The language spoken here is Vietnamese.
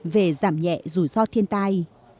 về giảm nhẹ rủi ro thiên tai